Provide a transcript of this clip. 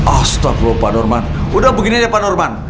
astagfirullah pak dorman udah begini aja pak dorman